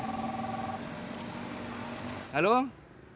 aku mau ke rumah